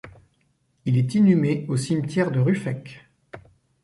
Il est inhumé au cimetière de Ruffec.